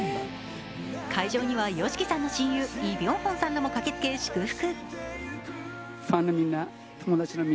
会場にはＹＯＳＨＩＫＩさんの親友イ・ビョンホンさんらも駆けつけ祝福。